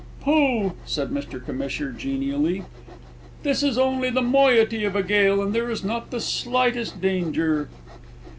"Pooh!" said Mr Commissioner, genially. "This is only the moiety of a gale, and there is not the slightest danger."